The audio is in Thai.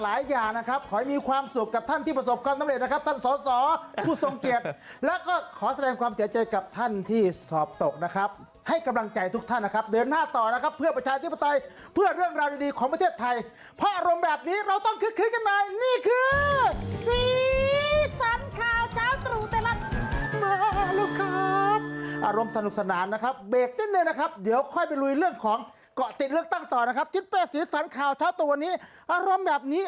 อย่างนะครับขอให้มีความสุขกับท่านที่ประสบความสำเร็จนะครับท่านสอสอผู้ทรงเกียจแล้วก็ขอแสดงความเสียใจกับท่านที่สอบตกนะครับให้กำลังใจทุกท่านนะครับเดินหน้าต่อนะครับเพื่อประชาธิปไตยเพื่อเรื่องราวดีของประเทศไทยเพราะอารมณ์แบบนี้เราต้องคึกคึกกันหน่อยนี่คือสีสันข่าวเช้าตรู่ครับอารมณ์สนุกสนานนะครับเบรกนิดนึง